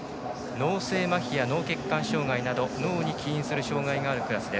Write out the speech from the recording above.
脳性まひや脳血管障がいなど脳に起因する障がいがあるクラス。